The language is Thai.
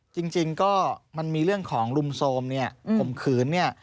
จริงก็มันมีเรื่องของรุมโทรมผมขื้น